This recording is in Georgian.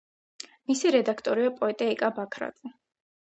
მისი რედაქტორია პოეტი ეკა ბაქრაძე.